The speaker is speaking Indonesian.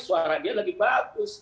suara dia lagi bagus